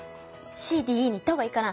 Ｃ・Ｄ・Ｅに言った方がいいかな。